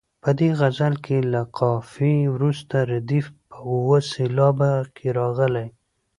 په دې غزل کې له قافیې وروسته ردیف په اوه سېلابه کې راغلی.